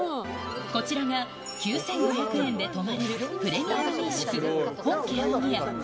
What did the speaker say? こちらが９５００円で泊まれるプレミアム民宿、本家扇屋。